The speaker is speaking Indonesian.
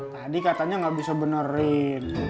tadi katanya nggak bisa benerin